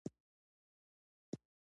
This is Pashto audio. فلم د تصویر، غږ، حرکت او جذابیت یو ځای کول دي